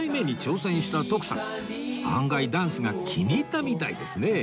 案外ダンスが気に入ったみたいですね